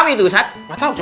masuk masuk masuk masuk